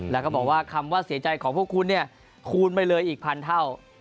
แล้วก็บอกว่าคำว่าเสียใจของพวกคุณเนี่ยคูณไปเลยอีกพันเท่า